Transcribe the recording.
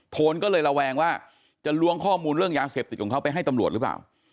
โทนก็เลยระแวงว่าจะล้วงข้อมูลเรื่องยาเสพติดของเขาไปให้ตำรวจหรือเปล่า